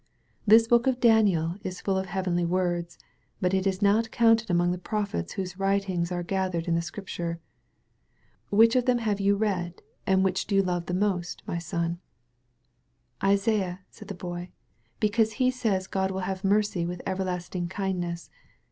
This book of Daniel is full of heavenly words, but it is not counted among the prophets whose writings are gathered in the Scrip ture. Which of them have you read, and which do you love most, my son?'* "Isaiah," said the Boy, "because he says God will have mercy with everlasting kindness.